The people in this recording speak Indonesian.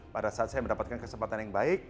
pada saat saya mendapatkan kesempatan yang baik